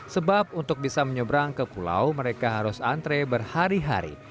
sebab untuk bisa menyeberang ke pulau mereka harus antre berhari hari